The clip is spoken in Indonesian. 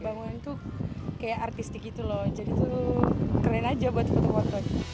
bangunan tuh kayak artistik gitu loh jadi tuh keren aja buat foto foto